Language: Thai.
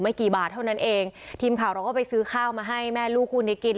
กี่บาทเท่านั้นเองทีมข่าวเราก็ไปซื้อข้าวมาให้แม่ลูกคู่นี้กิน